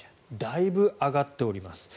だいぶ上がっております。